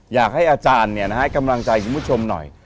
อยากให้อาจารย์ให้กำลังใจคุณผู้ชมหน่อย